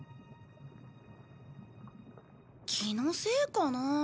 気のせいかな？